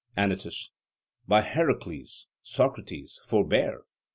ANYTUS: By Heracles, Socrates, forbear!